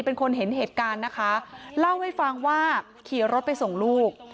เป็นคนเห็นเหตุการณ์นะคะเล่าให้ฟังว่าขี่รถไปส่งลูก